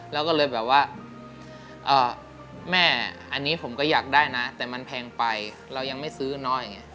เราก็เลยแบบว่าแม่อันนี้ผมก็อยากได้นะแต่มันแพงไปเรายังไม่ซื้อน้อยอย่างนี้